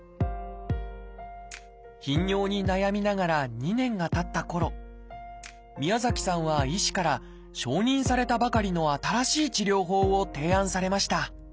頻尿に悩みながら２年がたったころ宮崎さんは医師から承認されたばかりの新しい治療法を提案されました。